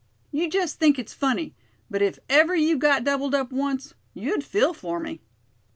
"You just think it's funny, but if ever you got doubled up once, you'd feel for me."